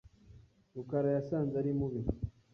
rukara yasanze ari mubi .